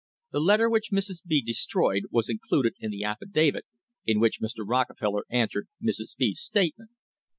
"* The letter which Mrs. B destroyed was included in the affidavit in which Mr. Rockefeller answered Mrs. B 's statement.